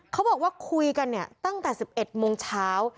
เขาบอกว่าคุยกันเนี่ยตั้งแต่๑๑โมงเช้า